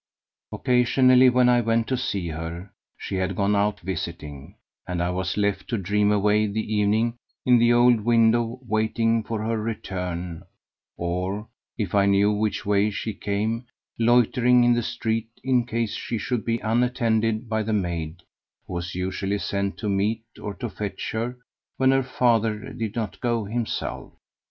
Occasionally when I went to see her she had gone out visiting, and I was left to dream away the evening in the old window waiting for her return, or, if I knew which way she came, loitering in the street in case she should be unattended by the maid who was usually sent to meet or to fetch her when her father did not go himself.